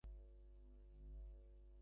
আমার বিরক্ত লাগছে!